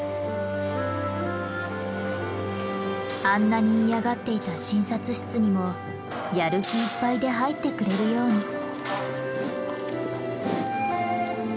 あんなに嫌がっていた診察室にもやる気いっぱいで入ってくれるように。